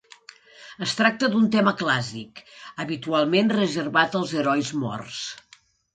Es tracta d'un tema clàssic, habitualment reservat als herois morts.